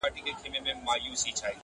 که منګول یې دی تېره مشوکه غټه؛